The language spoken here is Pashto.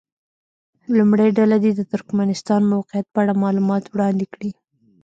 لومړۍ ډله دې د ترکمنستان موقعیت په اړه معلومات وړاندې کړي.